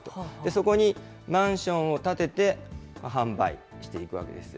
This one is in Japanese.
そこにマンションを建てて、販売していくわけです。